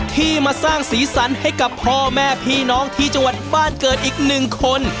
ที่มาสร้างสีสันให้กับพ่อแม่พี่น้องที่จังหวัดบ้านเกิดอีกหนึ่งคน